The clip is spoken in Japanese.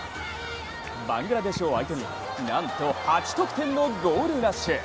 バングラデシュを相手になんと８得点のゴールラッシュ。